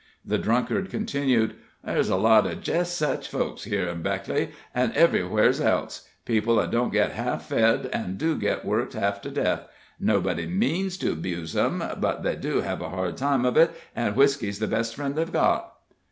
The drunkard continued: "There's lots of jest sech folks, here in Backley, an' ev'ry where's else people that don't get half fed, an' do get worked half to death. Nobody means to 'buse 'em, but they do hev a hard time of it, an' whisky's the best friend they've got."